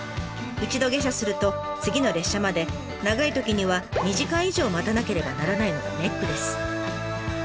一度下車すると次の列車まで長いときには２時間以上待たなければならないのがネックです。